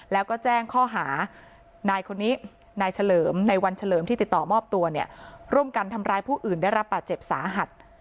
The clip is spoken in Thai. แล้วก็แจ้งข้อหานายคนนี้นายเฉลิมในวันเฉลิมที่ติดต่อมอบตัวเนี่ยร่วมกันทำร้ายผู้อื่นได้รับบาดเจ็บสาหัส